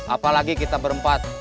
apalagi kita berempat